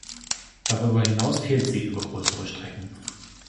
Darüber hinaus fehlt sie über größere Strecken.